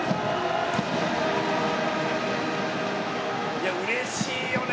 「いやうれしいよね！